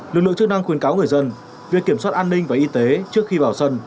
lực lượng chức năng khuyến cáo người dân việc kiểm soát an ninh và y tế trước khi vào sân